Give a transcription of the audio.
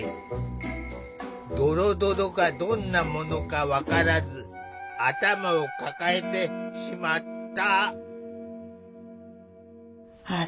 ドロドロがどんなものか分からず頭を抱えてしまった。